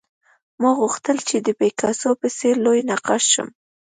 ما غوښتل چې د پیکاسو په څېر لوی نقاش شم